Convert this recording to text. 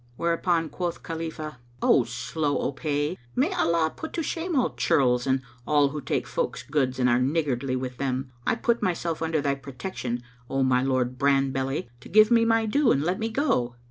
Whereupon quoth Khalifah, "O Slow o' Pay! [FN#236] May Allah put to shame all churls and all who take folks's goods and are niggardly with them! I put myself under thy protection, O my lord Bran belly, [FN#237] to give me my due and let me go!"